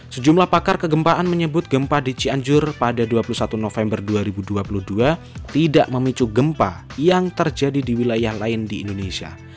sejumlah pakar kegempaan menyebut gempa di cianjur pada dua puluh satu november dua ribu dua puluh dua tidak memicu gempa yang terjadi di wilayah lain di indonesia